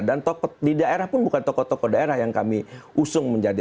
dan di daerah pun bukan tokoh tokoh daerah yang kami usung menjadi